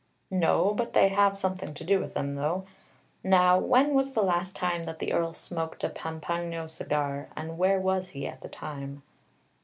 "No; but they have something to do with them, though. Now, when was the last time that the Earl smoked a Pampango cigar, and where was he at the time?"